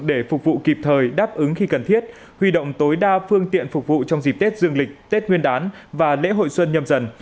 để phục vụ kịp thời đáp ứng khi cần thiết huy động tối đa phương tiện phục vụ trong dịp tết dương lịch tết nguyên đán và lễ hội xuân nhâm dần